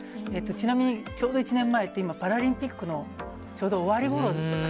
ちなみにちょうど１年前って、今、パラリンピックのちょうど終りごろですよね。